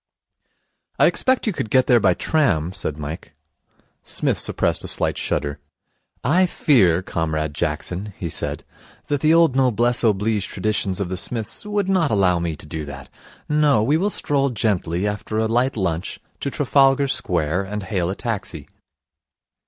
'I expect you could get there by tram,' said Mike. Psmith suppressed a slight shudder. 'I fear, Comrade Jackson,' he said, 'that the old noblesse oblige traditions of the Psmiths would not allow me to do that. No. We will stroll gently, after a light lunch, to Trafalgar Square, and hail a taxi.'